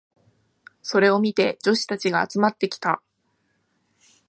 それを見て女子たちが集まってきた。